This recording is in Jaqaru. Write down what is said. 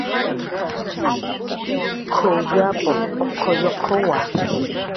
"K""uw yapuq uq uquwa"